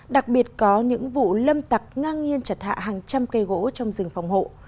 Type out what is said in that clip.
đặc biệt có những vụ lâm tặc ngang nhiên chặt hạ hàng trăm cây gỗ trong rừng phòng hộ